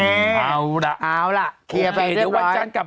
รถเมฆก็พูดไปแล้วว่าแบบปีหน้าเราจะมีลูกมันก็เลยกำลังคิดอยู่ว่า